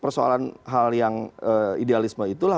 persoalan hal yang idealisme itulah